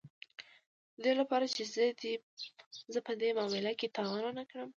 د دې لپاره چې زه په دې معامله کې تاوان ونه کړم